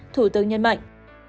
thủ tướng nhân mạnh